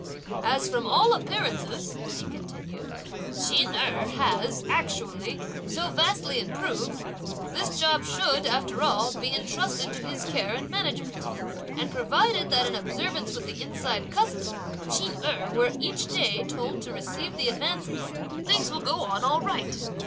"As from all appearances," he continued, "Ch'in Erh has, actually, so vastly improved, this job should, after all, be entrusted to his care and management; and provided that in observance with the inside custom Ch'in Erh were each day told to receive the advances, things will go on all right."